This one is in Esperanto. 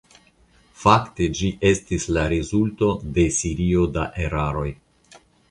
Fakte ĝi estis la rezulto de serio da eraroj.